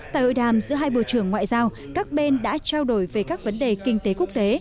tại hội đàm giữa hai bộ trưởng ngoại giao các bên đã trao đổi về các vấn đề kinh tế quốc tế